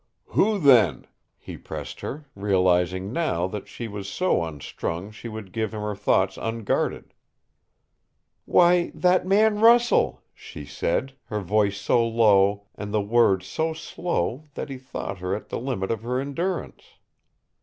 "Who, then?" he pressed her, realizing now that she was so unstrung she would give him her thoughts unguarded. "Why, that man Russell," she said, her voice so low and the words so slow that he thought her at the limit of her endurance.